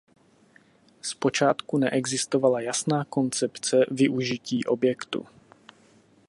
Zpočátku neexistovala jasná koncepce využití objektu.